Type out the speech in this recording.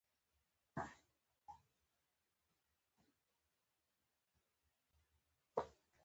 په فرانسوي هم ګړیدلای شي، دی مې له وړاندې پېژانده.